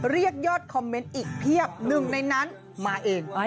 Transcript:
เรียกยอดคอมเมนต์อีกเพียบหนึ่งในนั้นมาเอง